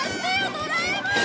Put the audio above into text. ドラえもん！